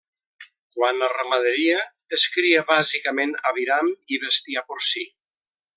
Quant a ramaderia, es cria bàsicament aviram i bestiar porcí.